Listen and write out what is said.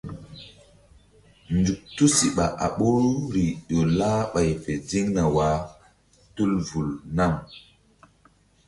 Nzuk tusiɓa a ɓoruri ƴo lah ɓay fe ziŋna wah tul vul nam.